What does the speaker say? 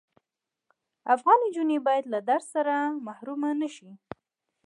افغان انجوني بايد له درس محرومه نشی